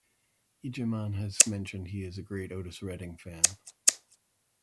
Ijahman has mentioned he is a great Otis Redding fan.